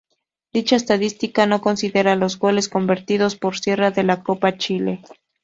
Dicha estadística no considera los goles convertidos por Sierra en la Copa Chile.